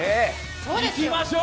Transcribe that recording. いきましょう。